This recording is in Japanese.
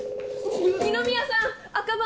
二宮さん赤番。